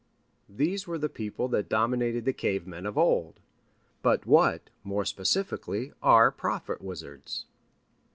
These were the people that dominated the cave men of old. But what, more specifically, are prophet wizards?